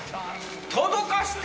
届かして！